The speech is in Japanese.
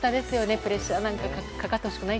プレッシャーかかってほしくない。